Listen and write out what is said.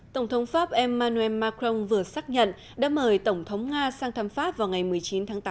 tổng thống pháp emmanuel macron vừa xác nhận đã mời tổng thống nga sang thăm pháp vào ngày một mươi chín tháng tám